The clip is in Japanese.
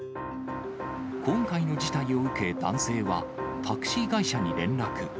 今回の事態を受け、男性はタクシー会社に連絡。